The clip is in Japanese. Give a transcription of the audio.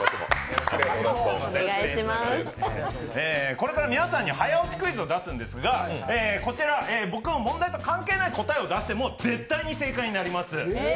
これから皆さんに早押しクイズを出すんですがこちら、僕の問題と関係ない答えを出しても絶対に正解になります。